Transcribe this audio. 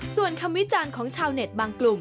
ส่วนคำวิจารณ์ของชาวเน็ตบางกลุ่ม